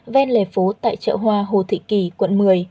ven lề phố tại chợ hoa hồ thị kỳ quận một mươi